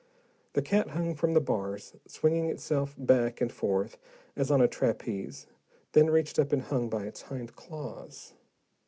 The cat hung from the bars, swinging itself back and forth as on a trapeze, then reached up and hung by its hind claws.